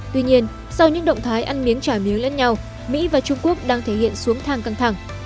tuy nhiên sau những động thái ăn miếng trả miếu lẫn nhau mỹ và trung quốc đang thể hiện xuống thang căng thẳng